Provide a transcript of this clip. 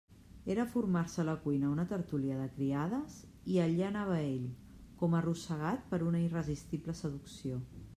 Era formar-se a la cuina una tertúlia de criades, i allí anava ell, com arrossegat per una irresistible seducció.